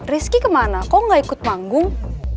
rizky kemana kok gak ikut panggung